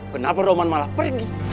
kenapa roman malah pergi